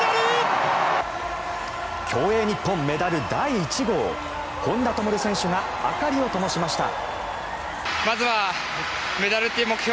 競泳日本メダル第１号本多灯選手が明かりをともしました。